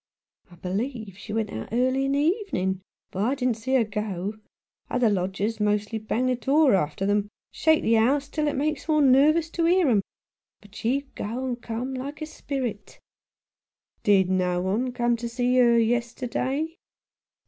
" I believe she went out early in the evening ; but I didn't see her go. Other lodgers mostly bang the door after them, and shake the house till it makes one nervous to hear 'em ; but she'd go and come like a spirit." 98 At Number Thirteen, Dynevor Street. " Did no one come to see her yesterday